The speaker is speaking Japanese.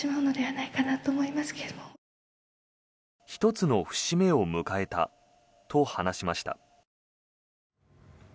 １つの節目を迎えたと話しました。